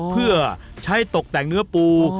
เพื่อใช้ตกแต่งเนื้อปู